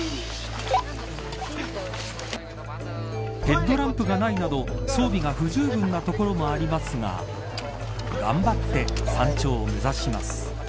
ヘッドランプがないなど装備が不十分なところもありますが頑張って山頂を目指します。